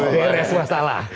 oh beres masalah